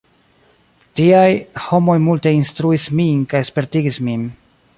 Tiaj homoj multe instruis min kaj spertigis min.